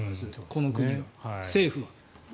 この国は、政府は。